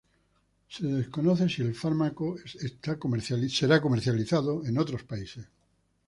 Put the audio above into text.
Se desconoce si el fármaco será comercializado en otros países.